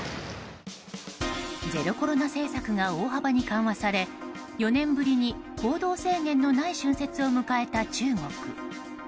ゼロコロナ政策が大幅に緩和され４年ぶりに行動制限のない春節を迎えた中国。